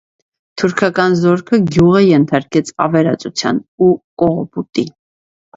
Թուրքական զորքը գյուղը ենթարկեց ավերածության ու կողոպուտի։